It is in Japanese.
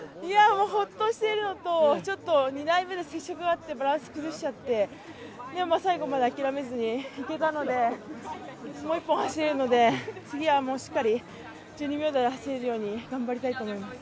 ほっとしているのと２台目接触があってバランス崩しちゃってでも最後まで諦めずにいけたのでもう一本走れるので、次はしっかり１２秒台で走れるように頑張りたいと思います。